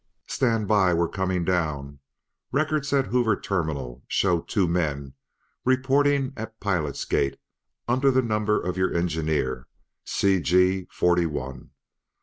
"Stand by! We're coming down! Records at Hoover Terminal show two men reporting at pilots' gate under the number of your engineer, CG41.